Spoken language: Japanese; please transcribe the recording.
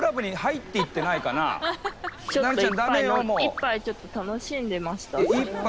一杯ちょっと楽しんでました。